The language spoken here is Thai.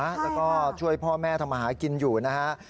แล้วก็ช่วยพ่อแม่ทำมาหากินอยู่นะฮะ